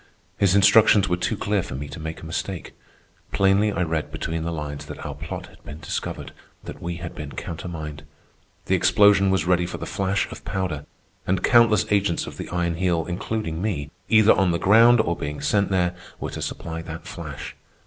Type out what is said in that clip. His instructions were too clear for me to make a mistake. Plainly I read between the lines that our plot had been discovered, that we had been countermined. The explosion was ready for the flash of powder, and countless agents of the Iron Heel, including me, either on the ground or being sent there, were to supply that flash.